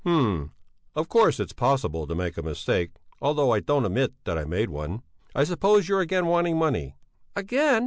"Hm! Of course it's possible to make a mistake, although I don't admit that I made one. I suppose you're again wanting money?" "Again?